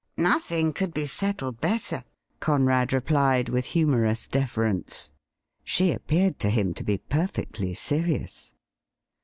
' Nothing could be settled better,' Gonrad replied, with humorous deference. She appeared to him to be perfectly serious.